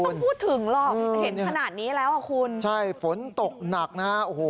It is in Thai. ต้องพูดถึงหรอกเห็นขนาดนี้แล้วอ่ะคุณใช่ฝนตกหนักนะฮะโอ้โห